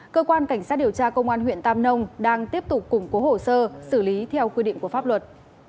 cơ quan cảnh sát điều tra công an huyện tam nông đang tiếp tục củng cố hồ sơ xử lý theo quy định của pháp luật